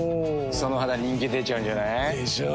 その肌人気出ちゃうんじゃない？でしょう。